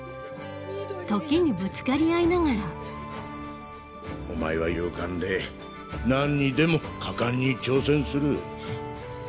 時にぶつかり合いながらお前は勇敢でなんにでも果敢に挑戦する。